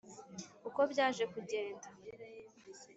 Uko byaje kugenda